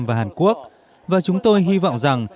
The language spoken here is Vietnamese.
và hàn quốc và chúng tôi hy vọng rằng